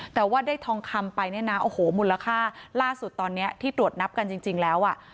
แต่ว่าได้ทองคำไปมูลค่าล่าสุดตอนนี้ที่ตรวจนับกันจริงแล้ว